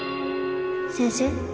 先生。